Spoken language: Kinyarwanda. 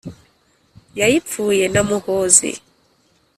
yayipfuye na muhozi